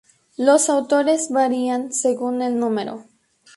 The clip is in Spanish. Los autores varían según el número.